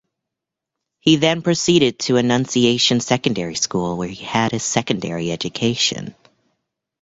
He then proceeded to Annunciation Secondary School where he had his Secondary education.